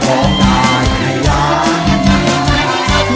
ร้องได้ให้ร้าน